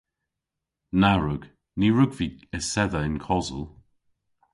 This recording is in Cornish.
Na wrug. Ny wrug vy esedha yn kosel.